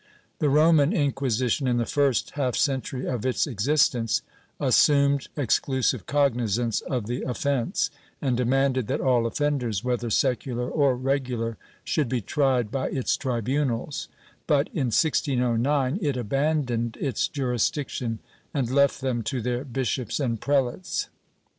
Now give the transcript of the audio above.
The Roman Inquisition, in the first half century of its existence, assumed exclusive cognizance of the offence, and demanded that all offenders, whether secular or regu lar, should be tried by its tribunals, but, in 1609, it abandoned its jurisdiction and left them to their bishops and prelates.